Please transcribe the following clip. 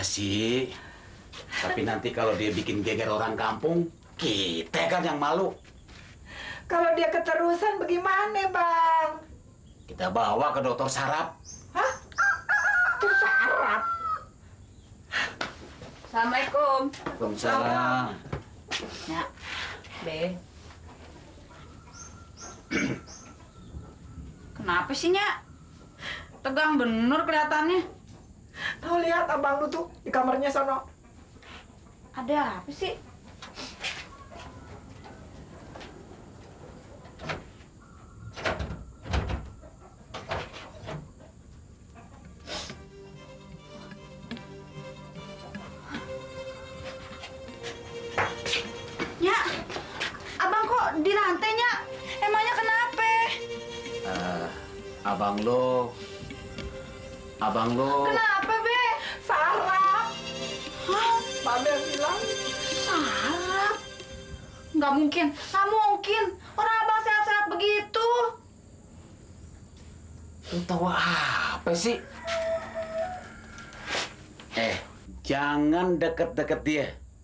sampai jumpa di video selanjutnya